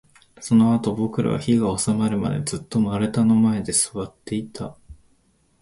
そのあと、僕らは火が収まるまで、ずっと丸太の前で座っていた